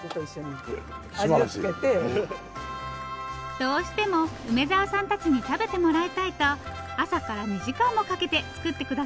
どうしても梅沢さんたちに食べてもらいたいと朝から２時間もかけて作って下さったんですって。